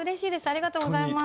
ありがとうございます！